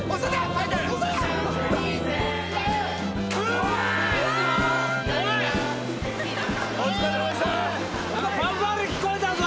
ファンファーレ聞こえたぞ！